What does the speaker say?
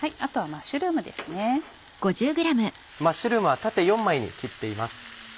マッシュルームは縦４枚に切っています。